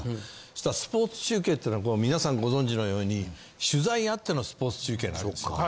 そしたらスポーツ中継っていうのは皆さんご存じのように取材あってのスポーツ中継なんですよ。